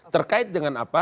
terkait dengan apa